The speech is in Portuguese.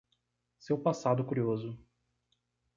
Seu passado curioso